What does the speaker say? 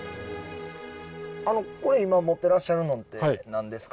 あのこれ今持ってらっしゃるのって何ですか？